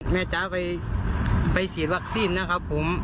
จ๊ะไปฉีดวัคซีนนะครับผม